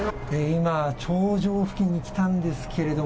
今、頂上付近に来たんですけれど